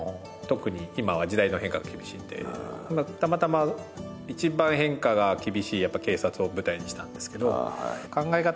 特に今は時代の変化厳しいんでたまたま一番変化が厳しい警察を舞台にしたんですけど考え方